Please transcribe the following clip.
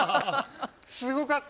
すごかった！